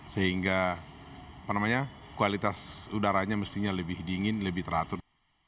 sehingga kualitas udaranya mestinya lebih dingin lebih teratur